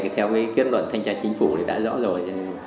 theo kết luận thanh tra chính phủ đã rõ rồi